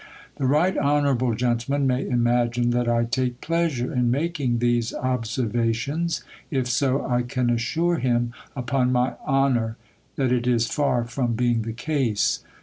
The Right Honorable Gentleman may imagine that I take pleasure in making these observations. If so, 1 can assure him, upon my honor, that it is far from be ing the case.